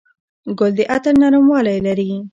ګل د عطر نرموالی لري.